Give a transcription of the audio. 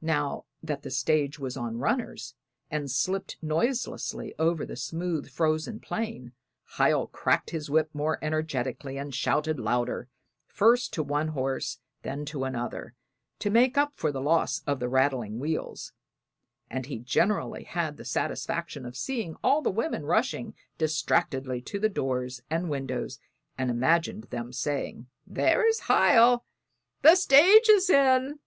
Now that the stage was on runners, and slipped noiselessly over the smooth frozen plain, Hiel cracked his whip more energetically and shouted louder, first to one horse then to another, to make up for the loss of the rattling wheels; and he generally had the satisfaction of seeing all the women rushing distractedly to doors and windows, and imagined them saying, "There's Hiel; the stage is in!"